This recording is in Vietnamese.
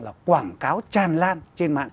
là quảng cáo tràn lan trên mạng